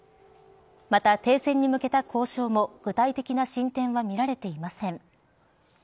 また、停戦に向けた交渉も具体的な進展は見られていません。